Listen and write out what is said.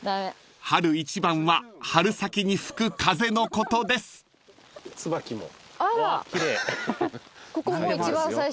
［春一番は春先に吹く風のことです］